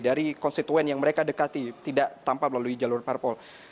dari konstituen yang mereka dekati tidak tanpa melalui jalur parpol